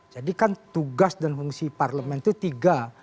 jadi kan tugas dan fungsi parlemen itu tiga